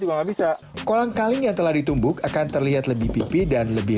jual kuat juga bisa kolangkaling yang telah ditumbuk akan terlihat lebih pipih dan lebih